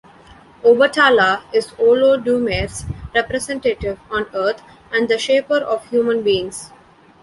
Obatala is Olodumare's representative on earth and the shaper of human beings.